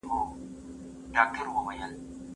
مهاجرتونو د علم مرکزونه کمزورې کړل.